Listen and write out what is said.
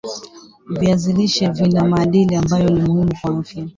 viazi lishe vina madini ambayo ni muhimu kwa afya